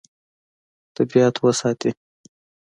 طبیعت وساتي.